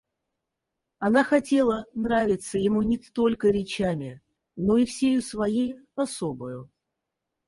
Она хотела нравиться ему не только речами, но и всею своею особою.